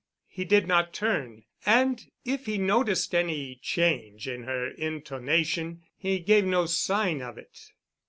He did not turn, and, if he noticed any change in her intonation, he gave no sign of it.